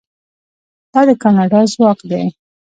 دا د کاناډا ځواک دی.